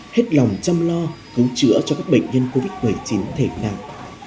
hết lòng chăm lo cứu chữa cho các bệnh nhân covid một mươi chín thể nặng